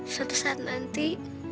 suatu saat nanti